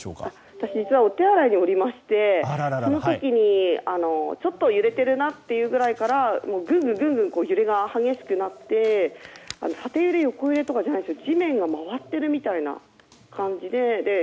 私、実はお手洗いにおりましてその時に、ちょっと揺れてるなというぐらいからぐんぐん揺れが激しくなって縦揺れ、横揺れとかじゃなくて地面が回っている感じで。